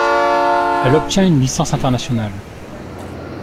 Elle obtient une licence internationale.